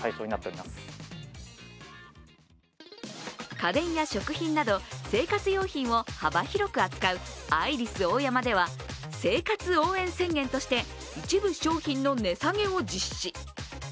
家電や食品など生活用品を幅広く扱うアイリスオーヤマでは生活応援宣言として一部商品の値下げを実施。